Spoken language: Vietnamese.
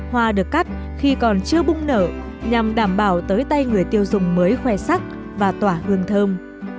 hoa được cắt khi còn chưa bung nở nhằm đảm bảo tới tay người tiêu dùng mới khoe sắc và tỏa hương thơm